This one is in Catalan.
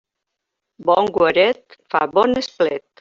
Bon guaret fa bon esplet.